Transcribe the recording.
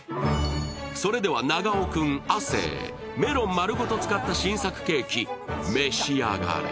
それでは長尾君、亜生、メロン丸ごと使った新作ケーキ、召し上がれ。